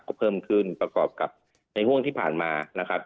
ก็เพิ่มขึ้นประกอบกับในห่วงที่ผ่านมานะครับ